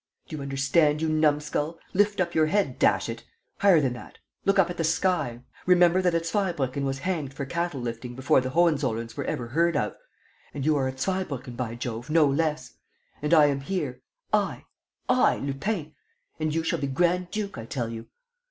Do you understand, you numskull? Lift up your head, dash it! Higher than that! Look up at the sky, remember that a Zweibrucken was hanged for cattle lifting before the Hohenzollerns were ever heard of. And you are a Zweibrucken, by Jove, no less; and I am here, I, I, Lupin! And you shall be grand duke, I tell you!